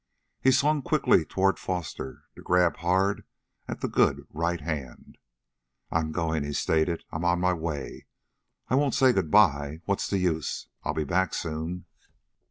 He swung quickly toward Foster, to grab hard at the good right hand. "I'm going," he stated. "I'm on my way. I won't say good by; what's the use I'll be back soon!"